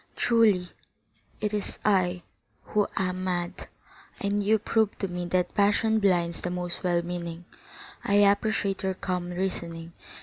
Truly, it is I who am mad, and you prove to me that passion blinds the most well meaning. I appreciate your calm reasoning.